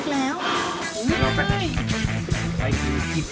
แล้วก็ตีตี